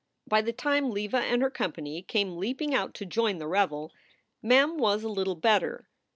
By the time Leva and her company came leaping out to join the revel, Mem was a little better.